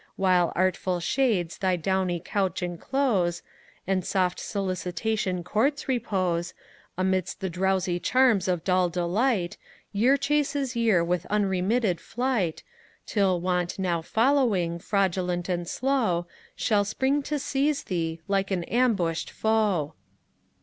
While artful shades thy downy couch enclose, And soft solicitation courts repose, Amidst the drowsy charms of dull delight, Year chases year with unremitted flight, Till Want now following, fraudulent and slow, Shall spring to seize thee, like an ambush'd foe.